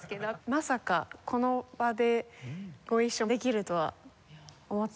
まさかこの場でご一緒できるとは思ってなく。